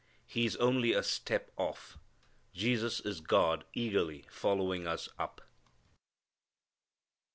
He is only a step off. Jesus is God eagerly following us up.